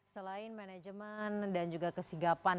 selain manajemen dan juga kesigapan